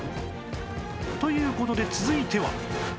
という事で続いては